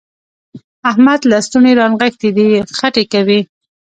احمد لستوڼي رانغښتي دي؛ خټې کوي.